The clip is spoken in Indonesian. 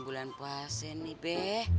bulan puasin nih be